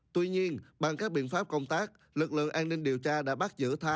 tuy nhiên bằng các biện pháp công tác lực lượng an ninh điều tra đã bắt giữ thái